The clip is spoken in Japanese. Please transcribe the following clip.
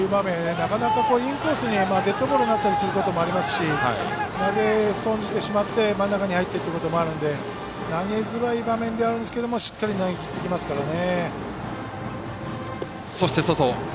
なかなかインコースにデッドボールになったりすることもありますし投げ損じてしまって真ん中に入ってくることもあるんで投げづらい場面ではあるんですけどしっかり投げきってきますからね。